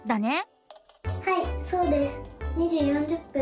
はいそうです。